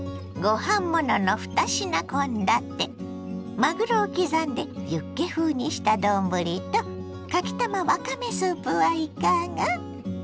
まぐろを刻んでユッケ風にした丼とかきたまわかめスープはいかが。